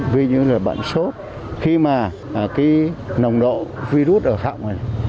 vì như là bệnh sốt khi mà cái nồng độ virus ở phạm này